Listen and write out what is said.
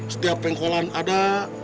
setiap pengkolan ada